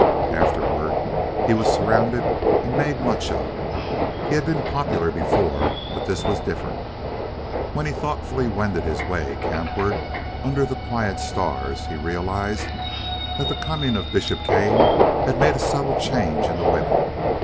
Afterward he was surrounded and made much of. He had been popular before, but this was different. When he thoughtfully wended his way campward under the quiet stars he realized that the coming of Bishop Kane had made a subtle change in the women.